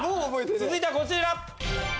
続いてはこちら。